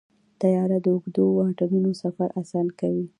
طیاره د اوږدو واټنونو سفر اسانه کوي.